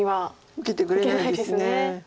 受けてくれないです。